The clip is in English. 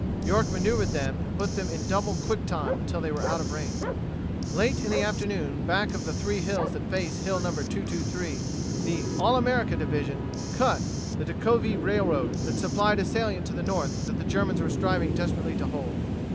York maneuvered them and put them in double quick time until they were out of range. Late in the afternoon, back of the three hills that face Hill No. 223, the "All America" Division "cut" the Decauville Railroad that supplied a salient to the north that the Germans were striving desperately to hold.